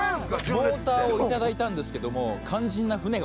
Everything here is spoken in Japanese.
モーターを頂いたんですけども肝心な。